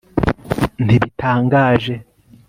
ntibitangaje